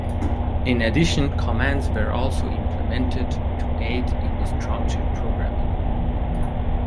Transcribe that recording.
In addition, commands were also implemented to aid in structured programming.